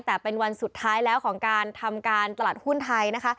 แต่เป็นวันสุดท้ายแล้วของการทำการตลาดหุ้นไทยนะคะ